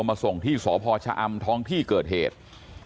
มาส่งที่สพชะอำท้องที่เกิดเหตุ